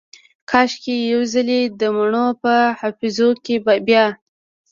کاشکي یو ځلې دمڼو په حافظو کې بیا